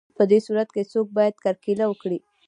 په دې صورت کې څوک باید کرکیله وکړي